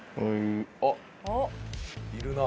あっいるな。